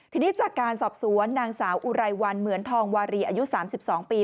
ทีนี้จากการสอบสวนนางสาวอุไรวันเหมือนทองวารีอายุ๓๒ปี